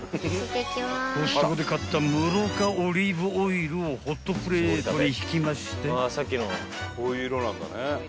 ［コストコで買った無ろ過オリーブオイルをホットプレートに引きまして］